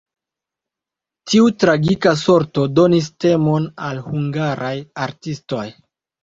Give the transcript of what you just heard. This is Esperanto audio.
Tiu tragika sorto donis temon al hungaraj artistoj.